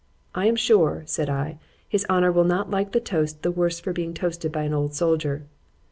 ——I am sure, said I, his honour will not like the toast the worse for being toasted by an old soldier.